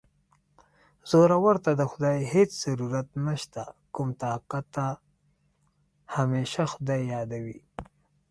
زورور ته د خدای هېڅ ضرورت نشته کم طاقته همېشه خدای یادوي